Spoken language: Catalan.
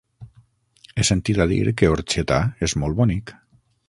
He sentit a dir que Orxeta és molt bonic.